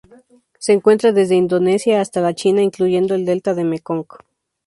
Se encuentra desde Indonesia hasta la China, incluyendo el delta del Mekong.